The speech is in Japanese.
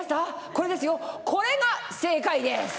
これですよこれが正解です。